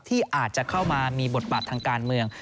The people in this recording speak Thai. ที่อาจจะเข้ามามีบทบาททางการเมือง